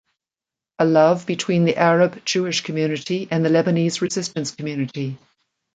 A love between the Arab Jewish community and the Lebanese resistance community.